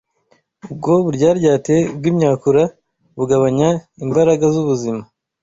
Ubwo buryaryate bw’imyakura bugabanya imbaraga z’ubuzima,